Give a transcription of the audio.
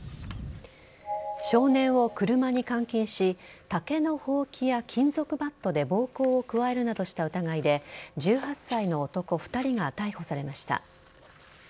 少年を車に監禁し竹のほうきや金属バットで暴行を加えるなどした疑いで１８歳の男２人が逮捕されました。